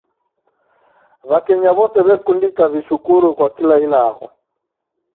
W'akenya w'ose wekundika w'ishukuru kwa kila ilagho